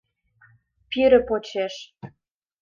Пире почеш